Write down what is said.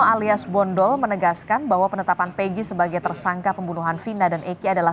alias bondol menegaskan bahwa penetapan pg sebagai tersangka pembunuhan vina dan eki adalah